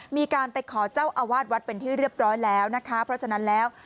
มีการไปขอเจ้าอาวาสวัดเป็นที่เรียบร้อยแล้วนะคะเพราะฉะนั้นแล้ว